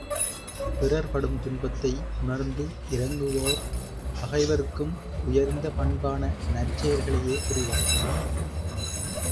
பிறர் படும் துன்பத்தை உணர்ந்து இரங்குவோர் பகைவர்க்கும் உயர்ந்த பண்பான நற்செயல்களையே புரிவர்.